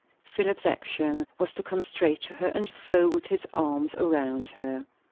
Philip's action was to come straight to her and fold his arms round her.